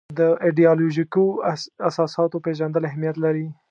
د ایدیالوژیکو اساساتو پېژندل اهمیت لري.